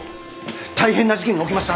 大変な事件が起きました！